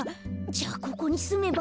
じゃあここにすめば？